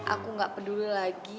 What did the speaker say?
aku gak peduli lagi